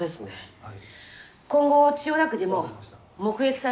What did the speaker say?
はい。